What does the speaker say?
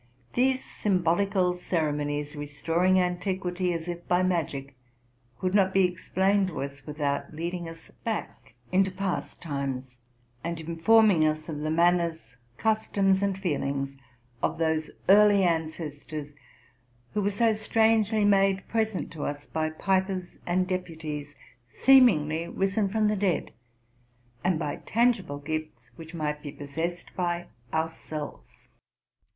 These symbolical cere monies, restoring antiquity as if by magic, could not be explained to us without leading us back into past times, and informing us of the manners, customs, and feelings of those early ancestors who were so strangely made present to us by pipers and deputies seemingly risen from the dead, and by tangible gifts which might be possessed by ourselves.